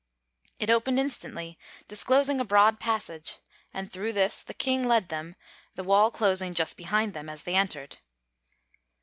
It opened instantly, disclosing a broad passage, and through this the King led them, the wall closing just behind them as they entered.